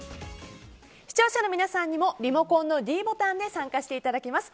視聴者の皆さんにもリモコンのｄボタンで参加していただきます。